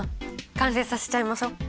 完成させちゃいましょう。